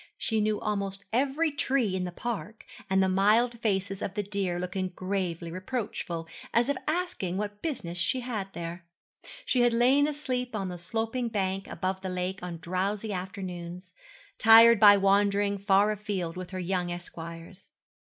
She knew almost every tree in the park, and the mild faces of the deer looking gravely reproachful, as if asking what business she had there. She had lain asleep on the sloping bank above the lake on drowsy afternoons, tired by wandering far a field with her young esquires.